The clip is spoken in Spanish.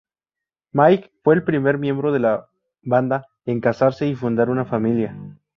Mike fue el primer miembro de la banda en casarse y fundar una familia.